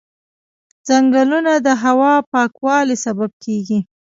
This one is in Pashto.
ځنګلونه د هوا پاکوالي سبب کېږي.